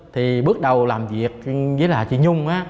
thì bước đầu làm việc với chị nhung á